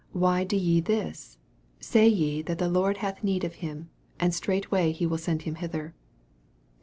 Why do ye this? say ye that the Lord hath need of him ; and straightway he will send him hither.